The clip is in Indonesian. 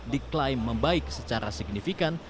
diklaim membaik secara signifikan